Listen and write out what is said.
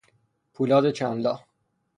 پولاد چند لا